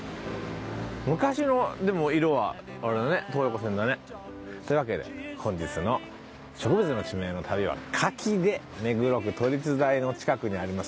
昔のでも色は東横線だね。というわけで本日の植物の地名の旅は「柿」で目黒区都立大の近くにあります